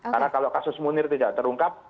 karena kalau kasus munir tidak terungkap